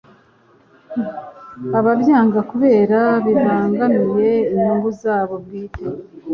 ababyanga kubera bibangamiye inyungu zabo bwite